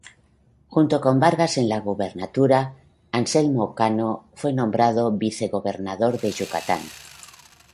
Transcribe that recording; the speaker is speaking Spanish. Junto con Vargas en la gubernatura, Anselmo Cano fue nombrado vicegobernador de Yucatán.